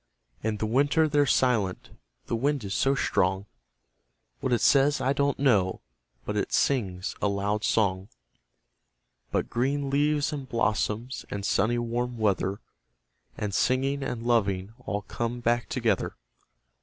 In the winter they're silent the wind is so strong; What it says, I don't know, but it sings a loud song. But green leaves, and blossoms, and sunny warm weather, 5 And singing, and loving all come back together.